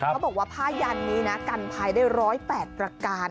เขาบอกว่าผ้ายันนี้นะกันภายได้๑๐๘ประการ